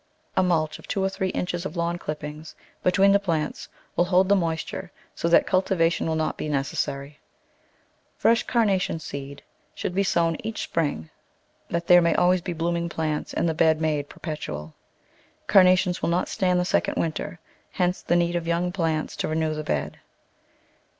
A mulch of two or three inches of lawn clippings between the plants will hold the moisture so that cultivation will not be necessary. Fresh Carnation seed should be sown each spring, that there may always be blossom ing plants and the bed made perpetual. Carnations will not stand the second winter, hence the need of young plants to renew the bed.